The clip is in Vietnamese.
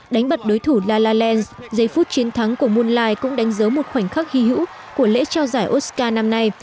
đánh bật đối thủ la la land giây phút chiến thắng của moonlight cũng đánh dấu một khoảnh khắc hy hữu của lễ trao giải oscar năm nay